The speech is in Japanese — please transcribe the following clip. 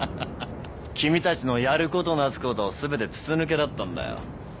君たちのやることなすこと全て筒抜けだったんだよ。